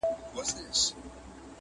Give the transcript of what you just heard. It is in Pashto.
چي دا کلونه راته وايي نن سبا سمېږي؛